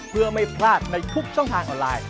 เพื่อไม่พลาดในทุกช่องทางออนไลน์